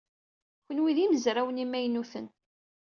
Kenwi d imezrawen imaynuten.